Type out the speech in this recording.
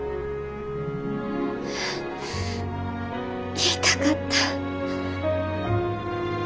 言いたかった。